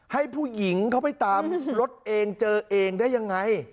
ให้ผู้หญิงเขาไปตามรถเองเจอเองได้ยังไง